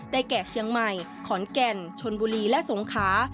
แก่เชียงใหม่ขอนแก่นชนบุรีและสงขา